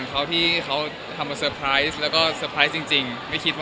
ปีนี้เหรอวางแผนยัง